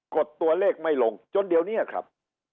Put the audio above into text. ดตัวเลขไม่ลงจนเดี๋ยวนี้ครับ